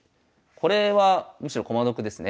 これはむしろ駒得ですね。